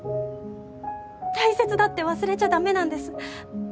大切だって忘れちゃダメなんです。